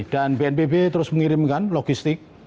bnpb terus mengirimkan logistik